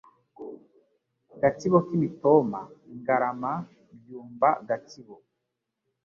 Gatsibo k'Imitoma Ngarama Byumba Gatsibo